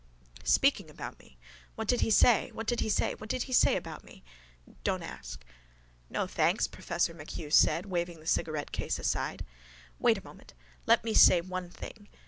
Speaking about me. What did he say? What did he say? What did he say about me? Don't ask. —No, thanks, professor MacHugh said, waving the cigarettecase aside. Wait a moment. Let me say one thing.